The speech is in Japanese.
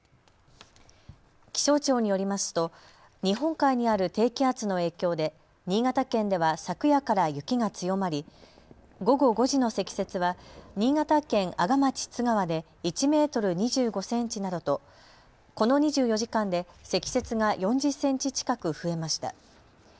気象庁によりますと日本海にある低気圧の影響で新潟県では昨夜から雪が強まり午後５時の積雪は新潟県阿賀町津川で１メートル２５センチなどとこの２４時間で積雪が４０センチ近く増えました。